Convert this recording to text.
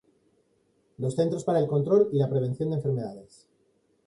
Los Centros para el Control y la Prevención de Enfermedades